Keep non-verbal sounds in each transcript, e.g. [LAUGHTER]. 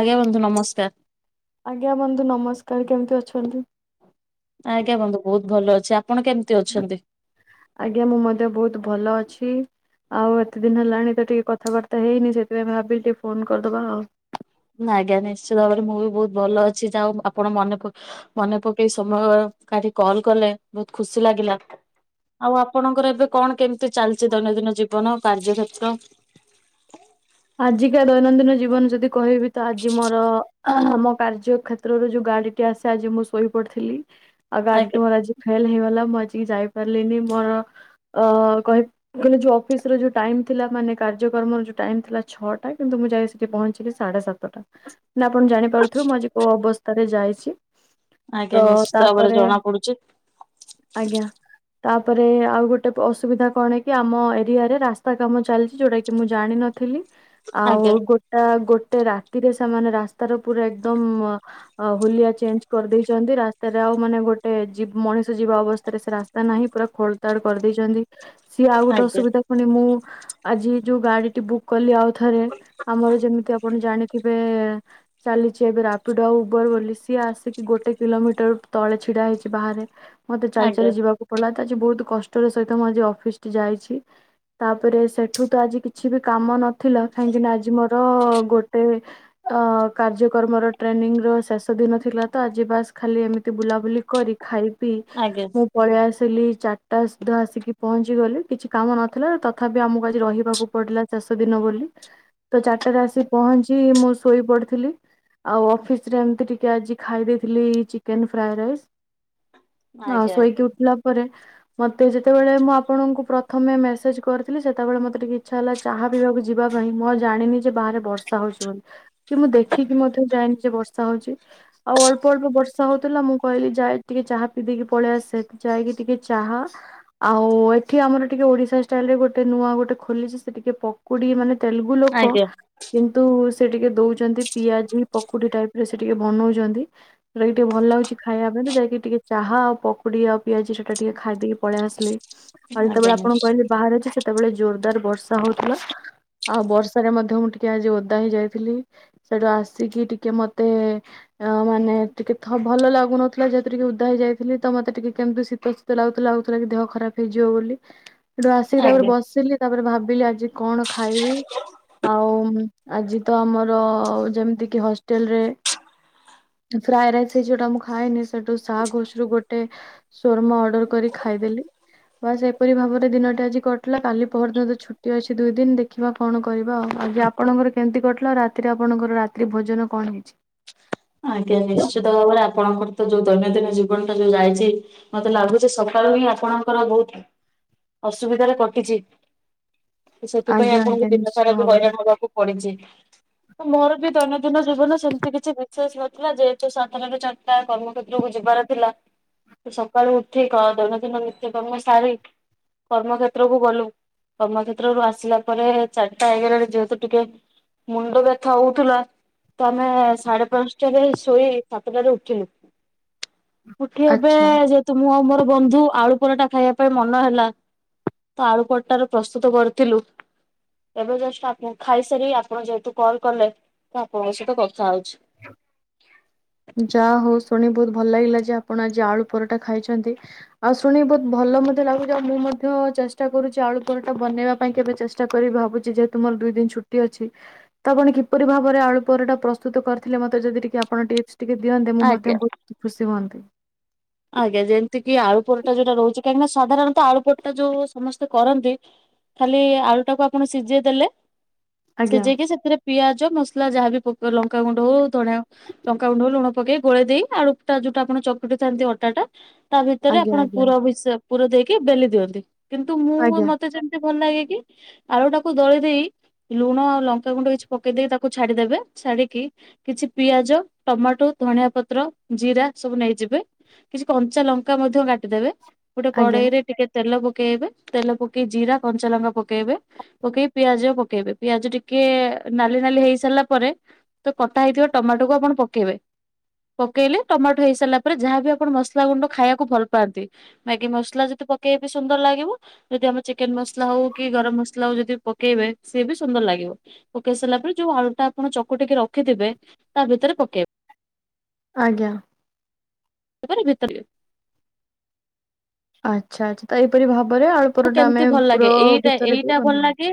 ଆଜ୍ଞା ବନ୍ଧୁ ନମସ୍କାର। ଆଜ୍ଞା ବନ୍ଧୁ ନମସ୍କାର କେମିତି ଅଛନ୍ତି? ଆଜ୍ଞା ବନ୍ଧୁ ବହୁତ ଭଲ ଅଛି ଆପଣ କେମିତି ଅଛନ୍ତି? ଆଜ୍ଞା ମୁଁ ମଧ୍ୟ ବହୁତ ଭଲ ଅଛି। ଆଉ ଏତେ ଦିନ ହେଲାଣି ତ ଟିକେ କଥାବାର୍ତ୍ତା ହେଇନି ସେଥିପାଇଁ ଭାବିଲି ଟିକେ ଫୋନ କରିଦବା। ଆଜ୍ଞା ନିଶ୍ଚିତ ଭାବରେ ମୁଁ ବି ବହୁତ ଭଲ ଅଛି ଯା ଆପଣ ମନେ ପ ମନେ ପକେଇ ସମୟ କଲ କଲେ ବହୁତ ଖୁସି ଲାଗିଲା। ଆଉ ଆପଣଙ୍କର ଏବେ କଣ କେମିତି ଚାଲିଛି ଦୈନନ୍ଦିନ ଜୀବନ କାର୍ଯ୍ୟ କ୍ଷେତ୍ର? ଆଜିକା ଦୈନନ୍ଦିନ ଜୀବନ ଯଦି କହିବି ତ ଆଜି ମୋର ମମ କାର୍ଯ୍ୟ କ୍ଷେତ୍ରରେ ଯୋଉ ଗାଡିଟି ଆସେ ଆଜି ମୁଁ ଶୋଇ ପଡିଥିଲି ଆଉ ଆଜ୍ଞା ଗାଡିଟି ମୋର ଆଜି ଫେଲ ହେଇଗଲା ମୁଁ ଆଜିକ ଯାଇ ପାରିଲିନି ମୋର ଅ କହ କହିଲେ ଯୋଉ ଅଫିସ ର ଯୋଉ ଟାଇମ ଥିଲା ମାନେ କାର୍ଯ୍ୟକ୍ରମର ଯୋଉ ଟାଇମ ଥିଲା ଛଅଟା କିନ୍ତୁ ମୁଁ ଯାଇ ସେଠି ପହଞ୍ଚିଲି ସାତଟା। ଆପଣ ଜାଣିପାରୁଥିବେ ମୁଁ ଆଜି କୋଉ ଅବସ୍ଥାରେ ଯାଇଛି। ତ ଆଜ୍ଞା ନିଶ୍ଚିତ ଭାବରେ ତାପରେ ଜଣା ପଡୁଛି। ଆଜ୍ଞା। ତାପରେ ଆଉ ଗୋଟେ ଅସୁବିଧା କଣ କି ଆମ ଏରିଆରେ ରାସ୍ତା କାମ ଚାଲିଛି ଯୋଉଟା କି କି ମୁଁ ଜାଣିନଥିଲି। ଆଉ ଆଜ୍ଞା ଗୋଟା ଗୋଟେ ରାତିରେ ସେମାନେ ରାସ୍ତାର ପୁରା ଏକଦମ ଅ ହୋଲିଆ ଚେଞ୍ଜ କରିଦେଇଛନ୍ତି ରାସ୍ତାରେ ଆଉ ମାନେ ଗୋଟେ ମଣିଷ ଯିବା ଅବସ୍ଥାରେ ସେ ରାସ୍ତା ତା ନାହିଁ ପୁରା ଖୋଳତାଡ଼ କରିଦେଇଛନ୍ତି। ସିଏ ଆଉ ଗୋଟେ ଆଜ୍ଞା ଅସୁବିଧା ପୁଣି ମୁଁ ଆଜି ଯୋଉ ଗାଡି ଟି ବୁକ୍ କଲି ଆଉ ଥରେ ଆମର ଯେମିତି ଆପଣ ଜାଣିଥିବେ ଚାଲିଛି ଏବେ ରାପିଡ ଆଉ ଉବର ବୋଲି ସିଏ ଆସିକି ଗୋଟେ କିଲୋମିଟର ତଳେ ଛିଡା ହେଇଛି ବାହାରେ। ମତେ ଚାଲି ଆଜ୍ଞା। ଚାଲି ଯିବାକୁ ପଲା ତ ଆଜି ବହୁତ କଷ୍ଟର ସହିତ ମୁଁ ଆଜି ଅଫିସ ଟି ଯାଇଛି ତାପରେ ସେଠୁ ତ ଆଜି କିଛି ବି କାମ ନଥିଲା କାହିଁକି ନା ଆଜି ମୋର ଗୋଟେ ଅ କାର୍ଯ୍ୟକ୍ରମର ଟ୍ରେନିଂ ର ଶେଷ ଦିନ ଥିଲା ତ ଆଜି ବାସ୍ ଖାଲି ଏମିତି ବୁଲାବୁଲି କରି ଖାଇ ପିଇ ଆଜ୍ଞା ମୁଁ ପଳେଇ ଆସିଲି ଚାରିଟା ସୁଧା ଆସିକି ପହଞ୍ଚି ଗଲି କିଛି କାମ ନଥିଲା ତଥାପି ଆମକୁ ଆଜି ରହିବାକୁ ପଡିଲା। ଚାଷ ଦିନ ବୋଲି ତ ଚାରିଟାରେ ଆସି ପହଞ୍ଚି ମୁଁ ଶୋଇ ପଡିଥିଲି। ଆଉ ଅଫିସ ରେ ଏମିତି ଟିକେ ଆଜି ଖାଇ ଦେଇେଇଥିଲି ଚିକେନ ଫ୍ରାଏ ରାଇସ୍ ହଁ ଆଜ୍ଞା ସୋଇକି ଉଠଲା ମତେ ଯେତେବେଳେ ମୁଁ ଆପଣଙ୍କୁ ପ୍ରଥମେ ମେସେଜ କରିଥିଲି ସେତେବେଳେ ମତେ ଟିକେ ଇଛା ହେଲା ଚାହା ପିଇବାକୁ ଯିବା ପାଇଁ ମୁଁ ଜାଣିନି ଯେ ବାହାରେ ବର୍ଷା ହଉଛି ବୋଲି। କି ମୁଁ ଦେଖିକି ମଧ୍ୟ ଯାଇନି ଯେ ବର୍ଷା ହଉଛି। ଆଉ ଅଳ୍ପ ଅଳ୍ପ ବର୍ଷା ହଉଥିଲା ମୁଁ କହିଲି ଯାଇ ଟିକେ ଚାହା ପିଇ ଦେଇେଇକି ପଳେଇଆ ଆସ ଯାଇକି ଟିକେ ଚାହା ଆଉ ଏଠି ଆମର ଟିକେ ଓଡିଶା ଷ୍ଟାଇଲ ରେ ଗୋଟେ ନୂଆ ଗୋଟେ ଖୋଲିଛି ସେ ଟିକେ ପକୁଡି ମାନେ ତେଲୁଗୁ ଲୋକ ଆଜ୍ଞା କିନ୍ତୁ ସେ ଟିକେ ଦଉଛନ୍ତି ପିଆଜ ପକୁଡି ଟାଇପ ରେ ସେ ଟିକେ ବନଉଛନ୍ତି। ସେଟାି ଟିକେ ଭଲ ଲାଗୁଛି ଖାଇବା ପାଇଁ ତ ଯାଇକି ଟିକେ ଚାହା ଆଉ ପକୁଡି ଆଉ ପିଆଜି ସେଟା ଟିକେ ଖାଇ ଦେଇକି ପଳେଇଆସିଥିଲି। ଆଉ ଆଜ୍ଞା ଯେତେବେଳେ ଆପଣ ନିଶ୍ଚ କହିଲେ ବାହାରେ ଅଛି ସେତେବେଳେ ଜୋରଦାର ବର୍ଷା ହଉଥିଲା। ଆଉ ବର୍ଷାରେ ମଧ୍ୟ ମୁଁ ଟିକେ ଆଜି ଓଦା ହେଇ ଯାଇଥିଲି। ସେଠୁ ଆସିକି ଟିକେ ମତେ ଅ ମାନେ ଟିକେ ଭଲ ଲାଗୁନଥିଲା ଯେହେତରେ ଟିକେ ଉଦା ହେଇଯାଇଥିଲି ତ ମତେ ଟିକେ କେମିତି ଶୀତ ତ ଲାଗୁଥିଲା ଲାଗୁଥିଲା କି ଦେହ ଖରାପ ହେଇଯିବ ବୋଲି। ସେଠୁ ଆସିକି ତାପରେ ଆଜ୍ଞା। ବସିଲି ତାପରେ ଭାବିଲି ଆଜି କଣ ଖାଇବି? ଆଉ ଆଜି ତ ଆମର ଯେମିତି କିି ହଷ୍ଟେଲ ରେ ଫ୍ରାଏ ରାଇସ୍ଇ ଯୋଉଟା ମୁଁ ଖାଏନି ସେଠୁ ଶା ଘୋଷ ରୁ ଗୋଟେ ସୋର୍ ମ ଅର୍ଡର୍ କରି ଖାଇଦେଲି। ବାସ୍ ଏପରି ଭାବରେ ଦିନଟେ ଆଜି କଟ୍ ଲା କାଲି ପହର୍ଦିନ ତ ଛୁ ଟି ଅଛି ଦୁଇ ଦିନ୍‌ ଦେଖିବା କଣ କରିବା ଆଉ ଆଜି ଆପଣଙ୍କର କେମ୍ ତି କଟ୍‌ଲା ରାତିରେ ଆପଣଙ୍କର ରାତ୍ରି ଭୋଜନ କଣ ହେଇଛି? ଆଜ୍ଞା ନିଶ୍ଚିତ ଭାବରେ ଆପଣଙ୍କର ତ ଯୋଉ ଦୈନନ୍ଦିନ ଜୀବନ ଟା ଯୋଉ ଯାଇଚି ମତେ ଲାଗୁଚି ସକାଳୁ ହିଁ ଆପଣଙ୍କର ବହୁତ ଅସୁବିଧାରେ କଟିଚି। ଉ ସେଥିପାଇଁ ଆଜ୍ଞା ଆପଣଙ୍କୁ ଆଜ୍ଞା ଦିନ ସାରା ନିଶ୍ଚିତ ଏବେ ଭାବରେ ହଇରାଣ ହବାକୁ ପଡିଚି ତ ମୋର ବି ଦୈନନ୍ଦିନ ଜୀବନ ସେମ୍ ତି କିଛି ଶେଷ୍ ନଥିଲା ଯେହେତୁ ଶ ଟଙ୍କାରେ ଚାର୍ ଟା କର୍ମକ୍ଷେତ୍ରୁକୁୁ ଯିବାର ଥିଲା। ତ ସକାଳୁ ଉଠି କ ଦୈନନ୍ଦିନ ନିତ୍ୟକର୍ମ ସାରି କର୍ମକ୍ଷେତ୍ରକୁୁ ଗଲୁ। କର୍ମକ୍ଷେତ୍ରରୁ ଆସିଲା ପରେ ଚାରିଟା ହେଇ ଗଲାଣି ଯେହେତୁ ଟିକେ ମୁଣ୍ଡ ବ୍ୟଥା ହଉଥିଲା ତ ଆମେ ସାଡେ ପାଁଶ୍ ଟାରେ ଶୋଇ ସାତଟାରେ ଉଠିଲୁ ଉଠି ଏବେ ଆଚ୍ଛା। ଯେ ତ ମୁଁ ଆଉ ମୋର ବନ୍ଧୁ ଆଳୁ ପରଟା ଖାଇଆ ପାଇଁ ମନ ହେଲା। ତ ଆଳୁ ପର୍ ଟା ରେ ପ୍ରସ୍ତୁତ କରିଥିଲୁ। ଏବେ ଜଷ୍ଟ ଆପ ଖାଇସାରି ଆପଣ ଯେହେତୁ କଲ କଲେ ତ ଆପଣଙ୍କ ସହିତ କଥା ହଉଛି। [UNINTELLIGIBLE] ଯା ହଉ ଶୁଣି ବହୁତ ଭଲ ଲାଗିଲା ଯେ ଆପଣ ଆଜି ଆଳୁ ପରଟା ଖାଇଛନ୍ତି ଆଉ ଶୁଣିି ବହୁତ ଭଲ ମଧ୍ୟ ଲାଗୁଛି ଆଉ ମୁଁ ମଧ୍ୟ ଚେଷ୍ଟା କରୁଛି ଆଳୁ ପରଟା ବନେଇବା ପାଇଁ କେବେ ଚେଷ୍ ଟା କରିବି ଭାବୁଚି ଯେହେତୁ ମର ଦୁଇ ଦିନ୍ ଛୁଟି ଅଛି। ତ ଆପଣ କିପରି ଭାବରେ ଆଳୁ ପରଟା ପ୍ରସ୍ତୁତ କରିଥିଲେ ମତେ ଯଦି ଟିକେ ଆପଣ ଟିପ୍ସ ଟିକେ ଦିଅନ୍ତେ ମୁଁ ମଧ୍ୟ ଆଜ୍ଞା। ବହୁତ ଖୁସି ହୁଅନ୍ତି। ଆଜ୍ଞା ଯେମ୍ ତି କିି ଆଳୁ ପରଟା ଯୋଉଟା ରହୁଚି କାହିଁକିନା ସାଧାରଣତଃ ଆଳୁ ପରଟା ଯୋଉ ସମସ୍ତେ କରନ୍ତି ଖାଲି ଆଳୁଟାକୁ ଆପଣ ସିଜେ ଦେଲେ ଆଜ୍ଞା ସିଜେଇକି ସେଥିରେ ପିଆଜ ମସ୍‌ଲା ଯାହା ବି ପକ୍ ଲଙ୍କାଗୁଣ୍ଡ ହଉ ଧଣିଆ ଲଙ୍କାଗୁଣ୍ଡକୁ ଲୁଣ ପକେଇ ଗୋଳେଇ ଦେଇ ଆଳୁଟା ଯୁଟା ଆପଣ ଚକୁଟି ଥାନ୍ତି ଅ ଟାଟା ତା ଭିତରେ ଆଜ୍ଞା ଆପଣ ଆଜ୍ଞା ପୁର ମିଶା ପୁର ଦେଇକି ବେଲି ଦିଅନ୍ତି କିନ୍ତୁ ମୁଁ ଆ ଆଜ୍ଞା ମତେ ଯେମ୍ ଭଲ୍‌ ଲାଗେ କି ଆଳୁଟାକୁ ଦଳି ଦେଇ ଲୁଣ ଆଉ ଲଙ୍କାଗୁଣ୍ଡ କିଛ୍ ପକେଇ ଦେଇ ତାକୁ ଛାଡିଦବେ ଛାଡିକି କିଛି ପିଆଜ ଟମାଟୋ ଧଣିଆ ପତ୍ର ଜିରା ସବୁ ନେଇଯିବେ। କିଛି କଞ୍ଚା ଲଙ୍କା ମଧ୍ୟ ଗାଟିଦେବେ ଗୋଟେ ଆଜ୍ଞା କଡେଇରେ ଟିକେ ତେଲ ପକେଇବେ ତେଲ ପକେଇ ଜିରା କଞ୍ଚାଲଙ୍କା ପକେଇବେ। ପକେଇ ପିଆଜ ପକେଇବେ ପିଆଜ ଟିକେ ନାଲି ନାଲି ହେଇ ସାରିଲା ପରେ ତ କଟା ହେଇଥିବା ଟମାଟୋ କୁ ଆପଣ ପକେଇବେ ପକେଇଲେ ଟମାଟୋ ହେଇସାରିଲା ପରେ ଯାହାବି ଅପ୍ ପଣ ମସଲା ଗୁଣ୍ଡ ଖାଇଆକୁ ଭଲ୍‌ ପାଆନ୍ତି ମ୍ୟାଗି ମସ୍‌ଲା ଯେତେ ପକେଇ ସୁନ୍ଦର ଲାଗିବ। ଯଦି ଆମେ ଚିକେନ ମସଲା ହଉ କି ଗରମ ମସଲା ହଉ ଯଦି ପକେଇବେ ସିଏ ବି ସୁନ୍ଦର ଲାଗିବ। ପକେଇ ସାରିଲା ପରେ ଯୋଉ ଆଳୁଟା ଆପଣ ଚକୁଟିକି ରଖିଥିବେ ତା ଭିତରେ ପକେଇ ଆଜ୍ଞା। ଏପରି ଭିତରିଏ। ଆଚ୍ଛା ଆଚ୍ଛା ତ ଏହିପରି ଭାବରେ ଆଳୁ ପରଟା ଆମେ କେମିତି ଭଲ ଲାଗେ ପୁର ଏଇଟା ଭିତର ଏଇଟା ଦେଇ ଭଲ ବନିଆ ଲାଗେ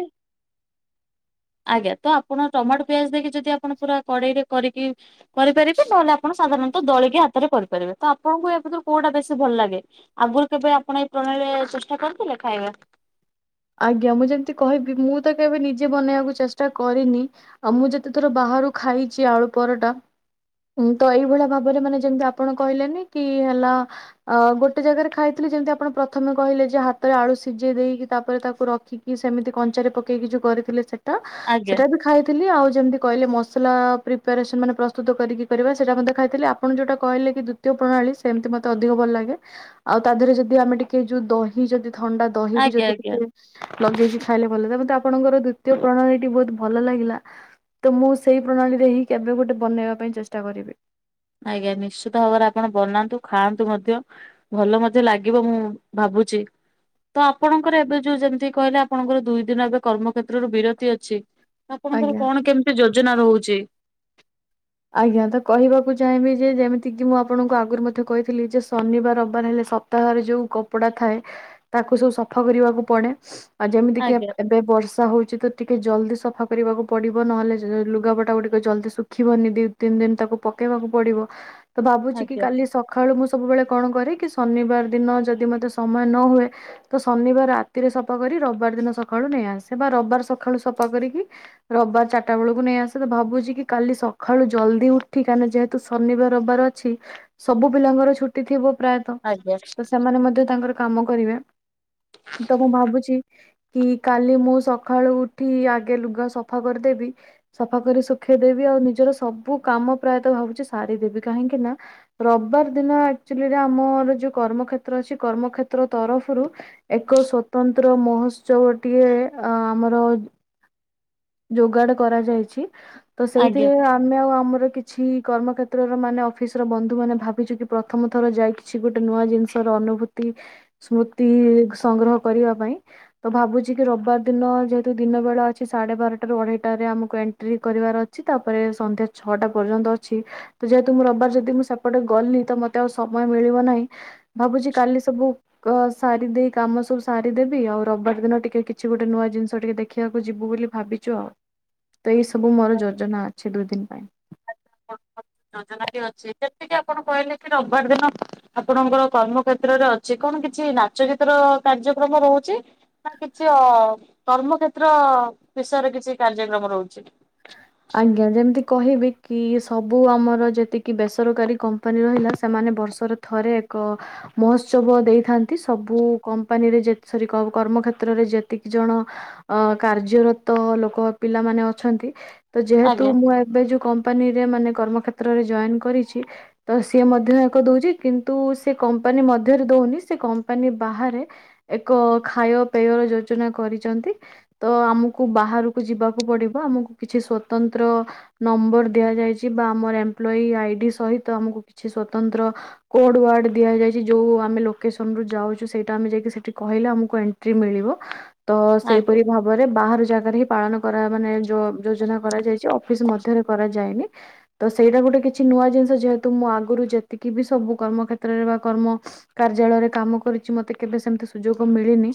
[UNINTELLIGIBLE] ଆଜ୍ଞା ତ ଆପଣ ଟମାଟୋ ପିଆଜ୍‌ ଦେଇକି ଯଦି ଆପଣ ପୁରା କଡେଇରେ କରିକି କରିପାରିବେ ନହେଲେ ଆପଣ ସାଧାରଣତଃ ଦଳିକି ହାତରେ କରିପାରିବେ ତ ଆପଣଙ୍କୁ ୟା ଭିତରୁ କୋଉଟା ବେଶୀ ଭଲ ଲାଗେ? ଆଗୁରୁ କେବେ ଆପଣ ଏଇ ପ୍ରଣାଳୀରେ ଚେଷ୍ଟା କରିଥିଲେ ଖାଇବା? ଆଜ୍ଞା ମୁଁ ଯେମ୍ ତି କହିବି ମୁଁ ତ କେବେ ନିଜେ ବନେଆକୁ ଚେଷ୍ଟା କରିନି। ଆ ମୁଁ ଯେତେଥର ବାହାରୁ ଖାଇଚି ଆଳୁ ପରଟା ଉଁ, ତ ଏଇଭଳିଆ ଭାବରେ ମାନେ ଯେମିତି ଆପଣ କହିଲେନି କି ହେଲା ଅ, ଗୋଟେ ଜାଗାରେ ଖାଇଥିଲୁ, ଯେମିତି ଆପଣ ପ୍ରଥମେ କହିଲେ ଯେ ହାତରେ ଆଳୁ ସିଝେଇ ଦେଇକି ତାପରେ ତାକୁ ରଖିକି ସେମିତି କଞ୍ଚାରେ ପକେଇକି ଯୋଉ କରିଥିଲେ ସେଟା। ଆଜ୍ଞା ସେଟା ବି ଖାଇଥିଲି। ଆଉ ଯେମତି କହିଲେ ମସଲା ପ୍ରିପାରେସନ୍ ମାନେ ପ୍ରସ୍ତୁତ କରିକି କରିବା ସେଟା ମଧ୍ଯ ଖାଇଥିଲି। ଆ ଆପଣ ଯୋଉଟା କହିଲେ କି ଦ୍ୱୁତୀୟ ପ୍ରଣାଳୀ ସେମିତି ମୋତେ ଅଧିକ ଭଲ ଲାଗେ। ଆଉ ତା ଦେହରେ ଯଦି ଆମେ ଟିକେ ଯୋଉ ଦହି ଯଦି ଥଣ୍ଡା ଦହି ବି ଆଜ୍ଞା ଯଦି ଆଜ୍ଞା ଟିକେ ଲଗେଇକି ଖାଇଲେ ଭଲ ବି। ମୋତେ ଆପଣଙ୍କର ଦ୍ଵିତୀୟ ପ୍ରଣାଳୀଟି ବହୁତ ଭଲ ଲାଗିଲା। ତ ମୁଁ ସେଇ ପ୍ରଣାଳୀରେ ହିଁ କେବେ ଗୋଟେ ବନେଇବା ପାଇଁ ଚେଷ୍ଟା କରିବି। ଆଜ୍ଞା ନିଶ୍ଚିତ ଭାବରେ ଆପଣ ବନାନ୍ତୁ ଖାଆନ୍ତୁ ମଧ୍ୟ। ଭଲ ମଧ୍ୟ ଲାଗିବ ମୁଁ ଭାବୁଛି। ତ ଆପଣଙ୍କର ଏବେ ଯୋଉ ଯେମିତି କହିଲେ ଆପଣଙ୍କର ଦୁଇ ଦିନ ଏବେ କର୍ମ କ୍ଷେତ୍ରରୁ ବିରତି ଅଛି। ଆପଣଙ୍କର ଆଜ୍ଞା। କଣ କେମିତି ଯୋଜନା ରହୁଛି? ଆଜ୍ଞା ତ କହିବାକୁ ଚାହିଁବି ଯେ ଯେମିତି କିି ମୁଁ ଆପଣଙ୍କୁ ଆଗରୁ ମଧ୍ୟ କହିଥିଲି ଯେ ଶନିବାର ରବବାର ହେଲେ ସ ପ୍ତାହରେ ଯୋଉ କପଡା ଥାଏ ତାକୁ ସବୁ ସଫା କରିବାକୁ ପଡେ। ଆ, ଯେମିତିକି ଆଜ୍ଞା ଆମଭ, ଏବେ ବର୍ଷା ହଉଛି ତ ଟିକେ ଜଲଦି ସଫା କରିବାକୁ ପଡିବ ନହେଲେ ଯ- ଲୁଗାପଟା ଗୁଡ଼ିକ ଜଲଦି ଶୁଖିବନି। ଦି ତିନି ଦିନ ତାକୁ ପକେଇବାକୁ ପଡିବ। ତ ଭାବୁଛି କି ଆଜ୍ଞା କାଲି ସକ ଖାଳୁ ମୁଁ ସବୁବେଳେ କଣ କରେ କି ଶନିବାର ଦିନ ଯଦି ମୋତେ ସମୟ ନ ହୁଏ। ତ ଶନିବାର ରାତିରେ ସଫା କରି ରବବାର ଦିନ ସକାଳୁ ନେଇଆସେ। ବା ରବବାର ସଖାଳୁ ସଫା କରିକି ରବବାର ଚାଟା ବେଳକୁ ନେଇଆସେ ତ ଭାବୁଛି କି କାଲି ସ ଖାଳୁ ଜଲଦି ଉଠି କାହିଁକିନା ଯେହେତୁ ଶନିବାର ରବବାର ଅଛି ସବୁ ପିଲାଙ୍କର ଛୁଟି ଥିବ ପ୍ରାୟ ତ ଆଜ୍ଞା ତ ସେମାନେ ମଧ୍ୟ ତାଙ୍କର କାମ କରିବେ। ତ ମୁଁ ଭାବୁଛି କି କାଲି ମୁଁ ସଖାଳୁ ଉଠି ଆଗେ ଲୁଗା ସଫା କରଦେବି। ସଫା କରି ଶୁଖେଇଦେବି। ଆଉ ନିଜର ସବୁ କାମ ପ୍ରାୟତଃ ଭାବୁଛି ସାରିଦେବି। କାହିଁକି ନା ରବବାର ଦିନ ଆକ୍ଚୁଲି ରେ ଆମର ଯୋଉ କର୍ମକ୍ଷେତ୍ର ଅଛି କର୍ମକ୍ଷେତ୍ର ତରଫରୁ ଏକ ସ୍ଵତନ୍ତ୍ର ମହୋତ୍ସବଟିଏ ଅ, ଆମର ଯୋଗାଡ କରାଯାଇଛି ତ ସେଇଥିରେ ଆଜ୍ଞା। ଆ ମେ ଆଉ ଆମର କିଛି କର୍ମ କ୍ଷେତ୍ରର ମାନେ ଅଫିସ୍ ର ବନ୍ଧୁ ମାନେ ଭାବିଛୁ କି ପ୍ରଥମ ଥର ଯାଇ ଛି ଗୋଟେ ନୂଆ ଜିନିଷ ର ଅନୁଭୂତି ସ୍ମୃତି ସଂଗ୍ରହ କରିବା ପାଇଁ। ତ ଭାବୁଛି କି ରବବାର ଦିନ ଯେହେତୁ ଦିନ ବେଳା ଅଛି ସାଢେ ବାରଟା ରୁ ଅଢେଇଟାରେ ଆମକୁ ଏଣ୍ଟ୍ରି କରିବାର ଅ ଛି ତାପରେ ସନ୍ଧ୍ୟା ଛଅଟା ପର୍ଯ୍ୟନ୍ତ ଅଛି। ତ ଯେହେତୁ ମୁଁ ରବବାର ଯଦି ମୁଁ ସେପଟେ ଗଲି ତ ମୋତେ ଆଉ ସମୟ ମିଳିବ ନାହିଁ। ଭାବୁଛି କାଲି ସବୁ କ-ସାରି ଦେଇ କାମ ସବୁ ସାରିଦେବି। ଆଉ ରବବାର ଦିନ ଟିକେ କିଛି ଗୋଟେ ନୂଆ ଜିନିଷ ଟିକେ ଦେଖିବାକୁ ଯିବୁ ବୋଲି ଭାବିଛୁ ଆଉ, ତ ଏଇ ସବୁ ମୋର ଯୋଜନା ଅଛି ଦୁଇ ଦିନ ପାଇଁ। ଯୋଜନା ଟି ଅଛି, ଯେତିକି ଆପଣ କହିଲେ କି ରବବାର ଦିନ ଆପଣଙ୍କର କର୍ମ କ୍ଷେତ୍ରରେ ଅଛି କଣ କିଛି ନାଚ ଗୀତ ର କାର୍ଯ୍ୟକ୍ରମ ରହୁଚି? ନା କିଛି ଅ, କର୍ମକ୍ଷେତ୍ର ବିଷୟରେ କିଛି କାର୍ଯ୍ୟକ୍ରମ ରହୁଛି? ହଁ। ଆଜ୍ଞା ଯେମିତି କହିବି କି ସବୁ ଆମର ଯେତିକି ବେସରକାରୀ କମ୍ପାନୀ ରହିଲା ସେମାନେ ବର୍ଷରେ ଥରେ ଏକ ମହୋତ୍ସବ ଦେଇଥାନ୍ତି ସବୁ କମ୍ପାନୀରେ ଯେ ସରୀ କ-କର୍ମ କ୍ଷେତ୍ରରେ ଯେତିକି ଜଣ ଅ, କାର୍ଯ୍ୟରତ ଲୋକ ପିଲାମାନେ ଅଛନ୍ତି। ତ ଯେହେତୁ ଆଜ୍ଞା ମୁଁ ଏବେ ଯୋଉ କମ୍ପାନୀରେ ମାନେ କର୍ମକ୍ଷେତ୍ର ରେ ଜଏନ୍ କରିଛି। ତ ସିଏ ମଧ୍ୟ ଏକ ଦଉଛି କିନ୍ତୁ ସେ କମ୍ପାନୀ ମଧ୍ୟରେ ଦଉନି ସେ କମ୍ପାନୀ ବାହାରେ ଏକ ଖାୟ ପେୟ ଯୋଜନା କରିଛନ୍ତି। ତ ଆମକୁ ବାହାରକୁ ଯିବାକୁ ପଡିବ ଆମକୁ କିଛି ସ୍ଵତନ୍ତ୍ର ନମ୍ବର ଦିଆଯାଇଛି ବା ଆମର ଏମ୍ପ୍ଲଇ ଆଇଡି ସହିତ ଆମକୁ କିଛିସ୍ଵତନ୍ତ୍ର କୋଡ ୱାର୍ଡ ଦିଆଯାଇଛି ଯୋଉ ଆମେ ଲୋକେସନ ରୁ ଯାଉଛୁ ସେଇଟା ଆମେ ଯାଇକି ସେଠି କହିଲେ ଆମକୁ ଏ ଣ୍ଟ୍ରି ମିଳିବ ତ ଆଜ୍ଞା ସେହିପରି ଭାବରେ ବାହାର ଜାଗାରେ ହିଁ ପାଳନ କରା ମାନେ ଯୋଉ ଯୋଜନା କରାଯାଇଛି ଅଫିସ ମଧ୍ୟରେ କରାଯାଇନି। ତ ସେଇଟା ଗୋଟେ କିଛି ନୂଆ ଜିନିଷ ଯେହେତୁ ମୁଁ ଆଗରୁ ଯେତିକି ବି ସବୁ କର୍ମ କ୍ଷେତ୍ରରେ ବା କର୍ମ କାର୍ଯ୍ୟାଳୟରେ କାମ କରିଛି ମତେ କେବେ ସେମତି ସୁଯୋଗ ମିଳିନି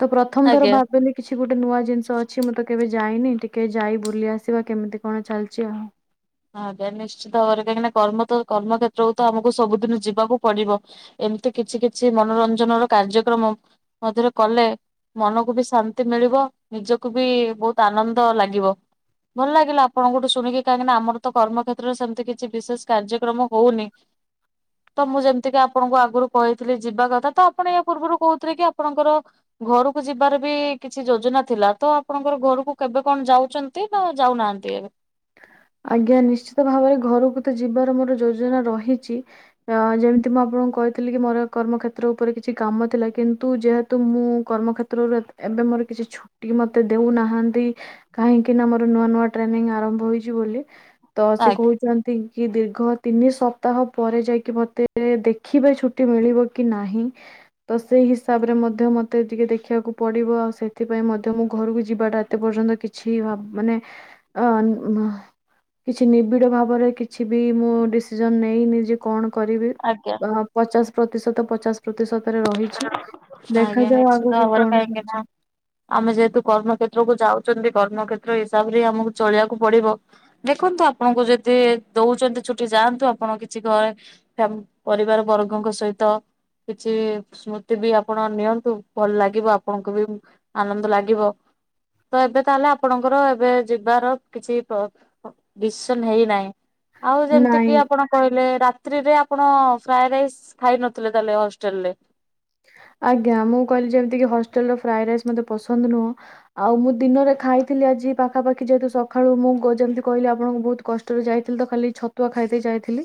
ତ ପ୍ରଥମ ଥର ଆଜ୍ଞା। ଭାବିଲି କିଛି ଗୋଟେ ନୂଆ ଜିନିଷ ଅଛି ମୁଁ ତ କେବେ ଯାଇନି ଟିକେ ଯାଇ ବୁଲି ଆସିବା କେମିତି କଣ ଚାଲିଛି ଆଉ। ଆ ଆଜ୍ଞା ନିଶ୍ଚିତ ଭାବରେ କାହିଁକି ନା କର୍ମ ତ କର୍ମ କ୍ଷେତ୍ରକୁ ତ ଆମକୁ ସବୁଦିନ ଯିବାକୁ ପଡିବ। ଏମିତି କିଛି କିଛି ମନୋରଞ୍ଜନର କାର୍ଯ୍ୟକ୍ରମ ମଧ୍ୟରେ କଲେ ମନକୁ ବି ଶାନ୍ତି ମିଳିବ ନିଜକୁ ବି ବହୁତ ଆନନ୍ଦ ଲାଗିବ। ଭଲ ଲାଗିଲା ଆପଣଙ୍କଠୁ ଶୁଣିକି କାହିକି ନା ଆମ ତ ତ କର୍ମ ଖେତ୍ରରେ ସେମିତି କିଛି ବିଶେଷ କାର୍ଯ୍ୟକ୍ରମ ହଉନି। ତ ମୁଁ ଯେମିତିକି ଆପଣଙ୍କୁ ଆଗରୁ କହିଥିଲି ଯିବା କଥା ତ ଆପଣ ୟା ପୂର୍ବରୁ କହୁଥିଲେ କି ଆପଣଙ୍କର ଘରକୁ ଯିବାର ବି କିଛି ଯୋଜନା ଥିଲା ତ ଆପଣଙ୍କର ଘରକୁ କେବେ କଣ ଯାଉଛନ ତି ନା ଯାଉନାହାନ୍ତି ଏବେ? ଆଜ୍ଞା ନିଶ୍ଚିତ ଭାବରେ ଘରକୁ ତ ଯିବାର ମୋର ଯୋଜନା ରହିଛି। ଅ ଯେମିତି ମୁଁ ଆପଣଙ୍କୁ କହିଥିଲି କି ମୋର କର୍ମକ୍ଷେତ୍ର ଉପରେ କିଛି କାମ ଥିଲା କିନ୍ତୁ ଯେହେତୁ ମୁଁ କର୍ମ କ୍ଷେତ୍ରରୁ ଏବେ ମୋର କିଛି ଛୁଟି ମତେ ଦେଉନାହାନ୍ତି। କାହିଁକି ନା ମୋର ନୂଆ ନୂଆ ଟ୍ରେନିଂ ଆରମ୍ଭ ହେଇଛି ବୋଲି ତ ସେ କହୁ ଆଜ୍ଞା କି ଦୀର୍ଘ ତିନି ସପ୍ତାହ ପରେ ଯାଇକି ମୋତେ ଦେଖିବେ ଛୁଟି ମିଳିବ କି ନାହିଁ। ତ ସେଇ ହିସାବରେ ମଧ୍ୟ ମତେ ଟିକେ ଦେଖିବାକୁ ପଡିବ ଆଉ ସେଥିପାଇଁ ମଧ୍ୟ ମୁଁ ଘରକୁ ଯିବାଟା ଏତେ ପର୍ଯ୍ୟନ୍ତ କିଛି ମାନେ ଅ କିଛି ନିବିଡ଼ ଭାବରେ କିଛି ବି ମୁଁ ଡିସିଜନ ନେଇ ନିଜେ କଣ କରିବି ଆଜ୍ଞା ପଚାଶ ପ୍ରତିଶତ ପଚା ପ୍ରତିଶତରେ ରହିଛି ଆଜ୍ଞା ଦେଖାଯାଉ ନିଶ୍ଚିତ ଆଗକୁ ଭାବରେ କଣ କାହିଁକି ନା ହଉଛି। ଆମେ ଯେହେତୁ କର୍ମ ଖେତ୍ର କୁ ଯାଉଛନ୍ତି କର୍ମକ୍ଷତ୍ର ହିସାବରେ ହି ଆମକୁ ଚଳିବାକୁ ପଡିବ। ଦେଖନ୍ତୁ ଆପଣଙ୍କୁ ଯଦି ଦଉଛନ୍ତି ଛୁଟି ଯାଆନ୍ତୁ ଆପଣ କିଛି ଘରେ ପରିବାର ବର୍ଗଙ୍କ ସହିତ କିଛି ସ୍ମୃତି ବି ଆପଣ ନିଅନ୍ତୁ ଭଲ ଲାଗିବ ଆପଣଙ୍କୁ ବି ଆନନ୍ଦ ଲାଗିବ। ତ ଏବେ ତାହେଲେ ଆପଣଙ୍କର ଏବେ ଯିବାର କିଛି ଡିସିସନ ହେଇନାହିଁ ଆଉ ଯେମିତି କିି ନାଇଁ ଆପଣ କହିଲେ ରାତିିରେ ଆପଣ ଫ୍ରାଏ ରାଇସ୍ ଖାଇ ନଥିଲେ ତାହେଲେ ହଷ୍ଟେଲ ରେ। ଆଜ୍ଞା ମୁଁ କହିଲି ଯେମିତିକି ହଷ୍ଟେଲ ର ଫ୍ରାଏ ରାଇସ୍ ମତେ ପସନ୍ଦ ନୁହଁ। ଆଉ ମୁଁ ଦିନରେ ଖାଇଥିଲି ଆଜି ପାଖାପଖି ଯେହେତୁ ସକାଳୁ ମୁଁ ଯେମିତି କହିଲି ଆପଣଙ୍କୁ ବହୁତ କଷ୍ ଯାଇଥିଲ ତ ଖାଲି ଛତୁଆ ଖାଇକି ଯାଇଥିଲି।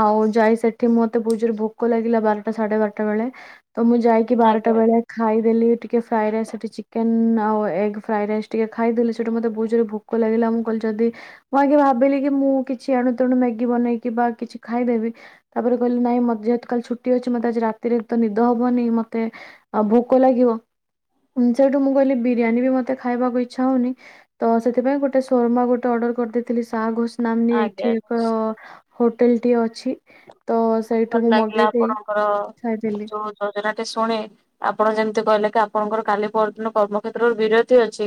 ଆଉ ଯାଇ ସେଠି ମତେ ବହୁ ଜୋରେ ଭୋକ ଲାଗିଲା ବାରଟା ସାଢେ ବାରଟା ବେଳେ। ତ ମୁଁ ଯାଇକି ବାରଟା ଆଜ୍ଞା ଆଜ୍ଞା ବେଳେ ଖାଇଦେଲି ଟିକେ ଫ୍ରାଇଡ ରାଇସ୍ ସେଠି ଚିକେନ ଆଉ ଏଗ୍ ଫ୍ରାଇଡ ରାଇସ୍ ଟିକେ ଖାଇଦେଲି ସେଠି ମୋତେ ବହୁ ଜୋରେ ଭୋ କ ଲାଗିଲା ମୁଁ କହିଲି ଯଦି ମୁଁ ଆଜି ଭାବିଲି କି ମୁଁ କିଛି ଏଣୁ ତେଣୁ ମ୍ୟାଗି ବନେଇକି ବା କିଛି ଖାଇଦେବି। ତାପରେ କହିଲି ନାଇଁ ମ ଯେହେତୁ କାଲି ଛୁଟି ଅଛି ମତେ ଆଜି ରାତିରେ ଏ ନିଦ ହବନି ମତେ ଆଉ ଭୋକ ଲାଗିବ। ସେଠୁ ମୁଁ କହିଲି ବିରିୟାନୀ ବି ମତେ ଖାଇବାକୁ ଇଚ୍ଛା ହଉନି। ତ ସେଥିପାଇଁ ଗୋଟେ ସୋର୍ମା ଗୋଟେ ଅର୍ଡର କରିଦେଇଥିଲି ସା ଘୋଷ। ନାମନି ଆଜ୍ଞା ଏଇଠି ଏକ ହୋଟେଲ ଟି ଅଛି। ତ ଭଲ ସେଇଠୁ ମୁଁ ମଗେଇ ଦେଈ ଖାଇଥିଲି। [UNINTELLIGIBLE] ଶୁଣେ ଆପଣ ଯେମିତି କହିଲେ କି ଆପଣଙ୍କର କାଲି ପରଦିନ କର୍ମ କ୍ଷେତ୍ର ରେ ବିରତି ଅଛି।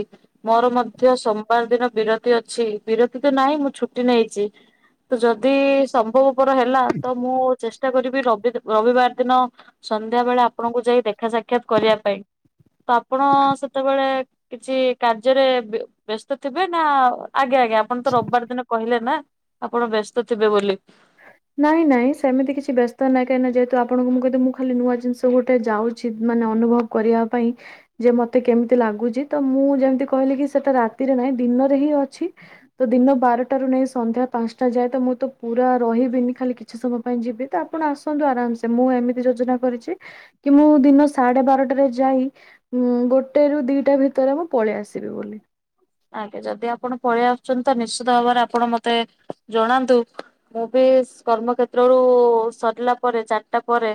ମୋର ମଧ୍ୟ ସୋମବାର ଦିନ ବିରତି ଅଛି ବିରତି ତ ନାହିଁ ମୁଁ ଛୁଟି ନେଇଚି। ତ ଯଦି ସମ୍ଭବ ପର ହେଲା ତ ମୁଁ ଚେଷ୍ଟା କରିବି ରବି ରବିବାର ଦିନ ସନ୍ଧ୍ୟା ବେଳେ ଆପଣଙ୍କୁ ଯାଇ ଦେଖ ଦେଖା ସାକ୍ଷାତ କରିବା ପାଇଁ ତ ଆପଣ ସେତେବେଳେ କିଛି କାର୍ଯ୍ୟରେ ବ୍ୟ ବ୍ୟସ୍ତ ଥିବେ ନା ଆଜ୍ଞା ଆଜ୍ଞା ଆପଣ ତ ରବିବାର ଦିନ କହିଲେ ନା। ଆପଣ ବ୍ୟସ୍ତ ଥିବେ ବୋଲି। ନାଇଁ ନାଇଁ ସେମିତି କିଛି ବ୍ୟସ୍ତ ନାଇ କାହିଁକି ଯେହେତୁ ଆପଣଙ୍କୁ କହିଦି ମୁଁ ଖାଲି ନୂଆ ଜିନିଷ ଗୋଟେ ଯାଉ ଛି ମାନେ ଅନୁଭବ କରିବା ପାଇଁ। ଯେ ମତେ କେମିତି ଲାଗୁଚି ତ ମୁଁ ଯେମିତି କହିଲି କି ସେଟା ରାତିରେ ନାହିଁ ଦିନରେ ହିଁ ଅଛି। ତ ଦିନ ବାରଟାରୁ ନେଇ ସନ୍ଧ୍ୟା ପାଞ୍ଚଟା ଯାଏ ତ ମୁଁ ତ ପୁରା ରହିବିନି ଖାଲି କିଛି ସମୟ ପାଇଁ ଯିବି ତ ଆପଣ ଆସନ୍ତୁ ଆରାମସେ ମୁଁ ଏମିତି ଯୋଜନା କରିଛି ର କି ମୁଁ ଦିନ ସାଢେ ବାରଟାରେ ଯାଇ ହୁଁ ଗୋଟେ ରୁ ଦିଟା ଭିତରେ ମୁଁ ପଳେଇ ଆସିବି ବୋଲି। ଆଜ୍ଞା ଯଦି ଆପଣ ପଳେଇ ଆସୁଛନ୍ତି ତ ନିଶ୍ଚିତ ଭାବରେ ଆପଣ ମତେ ଜଣାନ୍ତୁ? ମୁଁ ବି କର୍ମ କ୍ଷେତ୍ରରୁୁ ସରିଲା ପରେ ଚାରିଟା ପରେ